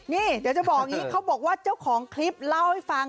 นี่เดี๋ยวจะบอกอย่างนี้เขาบอกว่าเจ้าของคลิปเล่าให้ฟัง